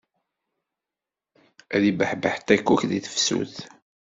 Ad ibbeḥbeḥ ṭikkuk di tefsut.